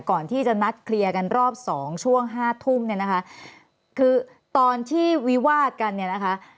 ก่อนที่จะนัดเคลียร์กันรอบสองช่วงห้าทุ่มเนี่ยนะคะคือตอนที่วิวาดกันเนี่ยนะคะ